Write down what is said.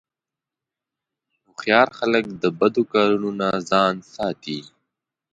هوښیار خلک د بدو کارونو نه ځان ساتي.